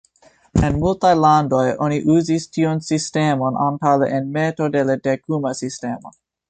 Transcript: En multaj landoj oni uzis tiun sistemon antaŭ la enmeto de la dekuma sistemo.